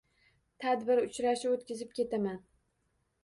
Tadbir, uchrashuv o‘tkazibketaman.